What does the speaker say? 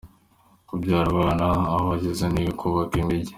Kubyara abana aho bageze ni ukubaka imijyi.